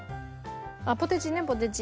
あっポテチねポテチ。